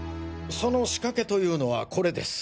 その仕掛けというのはこれです。